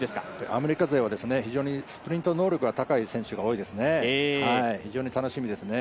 アメリカ勢は非常にスプリント能力が高い選手が多いですね。